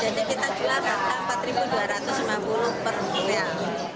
jadi kita jual rupiah rp empat dua ratus lima puluh per rupiah